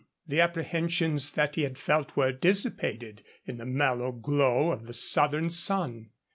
The apprehensions that he had felt were dissipated in the mellow glow of the southern sun.